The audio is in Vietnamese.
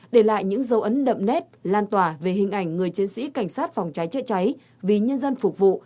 để lại những dấu ấn đậm nét lan tỏa về hình ảnh người chiến sĩ cảnh sát phòng cháy chữa cháy vì nhân dân phục vụ